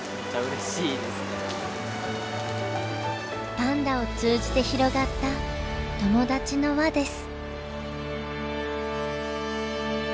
パンダを通じて広がった友達の輪です。